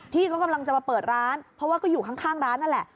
ที่เขากำลังจะมาเปิดร้านเพราะว่าก็อยู่ข้างร้านนั่นแหละ